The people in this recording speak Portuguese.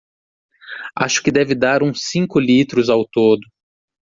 Acho que deve dar uns cinco litros ao todo